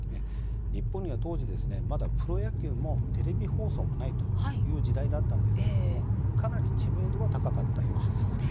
日本には当時まだプロ野球もテレビ放送もないという時代だったんですが、かなり知名度は高かったようです。